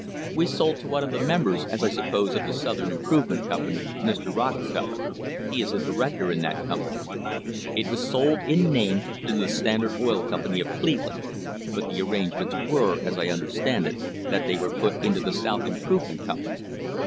We sold to one of the members, as I suppose, of the South Improvement Company, Mr. Rocke feller; he is a director in that company; it was sold in name to the Standard Oil Com pany, of Cleveland, but the arrangements were, as I understand it, that they were to put it into the South Improvement Company.